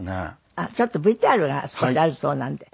あっちょっとＶＴＲが少しあるそうなんで拝見します。